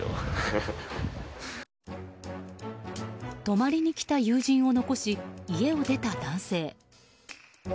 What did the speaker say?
泊まりに来た友人を残し家を出た男性。